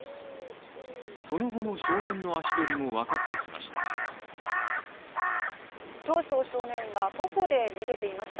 その後の少年の足取りもわかってきました